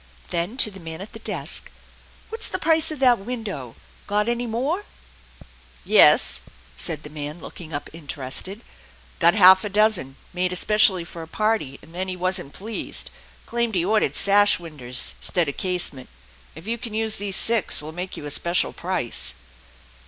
Then to the man at the desk: " What's the price of that window f Got any more ?"" Yes," said the man, looking up interested ;" got half a dozen, made especially for a party, and then he wasn't pleased. Claimed he ordered sash winders 'stead of casement. If you can use these six, we'll make you a special price."